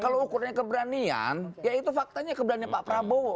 kalau ukurannya keberanian ya itu faktanya keberanian pak prabowo